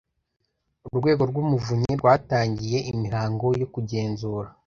urwego rw’umuvunyi rwatangiye imihango yo kugenzura